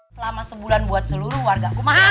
selama sebulan buat seluruh warga